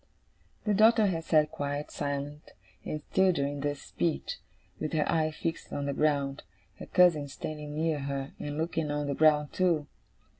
The daughter had sat quite silent and still during this speech, with her eyes fixed on the ground; her cousin standing near her, and looking on the ground too.